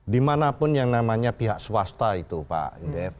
dimanapun yang namanya pihak swasta itu pak indef